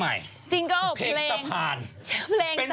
ชุมภรสุราธารณ